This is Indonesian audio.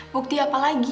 bukti apa lagi